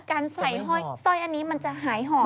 การใส่ห้อยสร้อยอันนี้มันจะหายห่อ